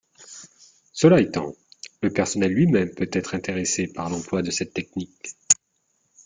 Cela étant, le personnel lui-même peut être intéressé par l’emploi de cette technique.